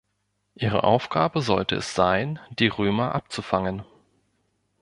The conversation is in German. Ihre Aufgabe sollte es sein, die Römer abzufangen.